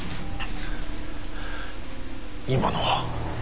今のは。